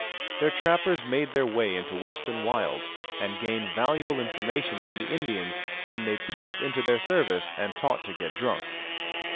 Their trappers made their way far into the western wilds, and gained valuable information from the Indians whom they pressed into their service, and taught to get drunk.